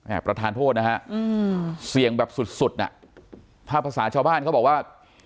ประธานโทษนะฮะอืมเสี่ยงแบบสุดสุดอ่ะถ้าภาษาชาวบ้านเขาบอกว่า